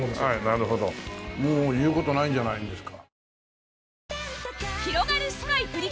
もう言う事ないんじゃないんですか。